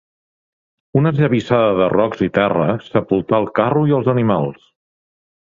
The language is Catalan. Una esllavissada de rocs i terra sepultà el carro i els animals.